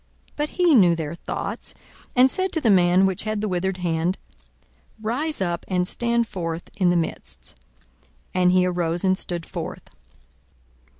42:006:008 But he knew their thoughts, and said to the man which had the withered hand, Rise up, and stand forth in the midst. And he arose and stood forth.